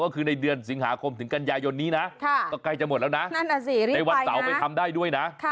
ก็คือในเดือนสิงหาคมถึงกันยายนนี้นะก็ใกล้จะหมดแล้วนะในวันเสาร์ไปทำได้ด้วยนะ